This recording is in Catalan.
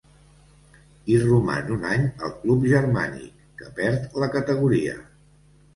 Hi roman un any al club germànic, que perd la categoria.